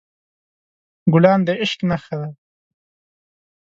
ګلان د عشق نښه ده.